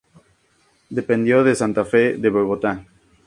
Dependió de Santa Fe de Bogotá.